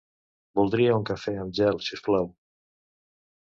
Voldria un cafè amb gel, si us plau.